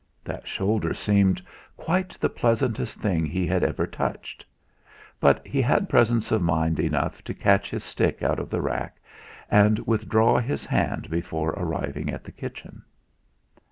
That shoulder seemed quite the pleasantest thing he had ever touched. But, he had presence of mind enough to catch his stick out of the rack, and withdraw his hand before arriving at the kitchen.